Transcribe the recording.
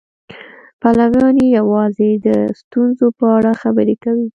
پلویان یې یوازې د ستونزو په اړه خبرې کوي.